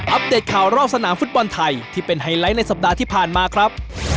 เดตข่าวรอบสนามฟุตบอลไทยที่เป็นไฮไลท์ในสัปดาห์ที่ผ่านมาครับ